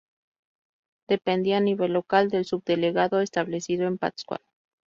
Dependía a nivel local del subdelegado establecido en Pátzcuaro.